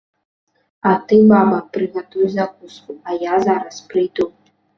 А ты, баба, прыгатуй закуску, а я зараз прыйду.